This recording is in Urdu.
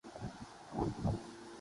میں اپنے بہن بھائیوں میں سب سے بڑی تھی